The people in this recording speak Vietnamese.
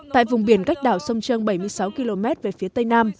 tại vùng biển cách đảo sông trương bảy mươi sáu km về phía tây nam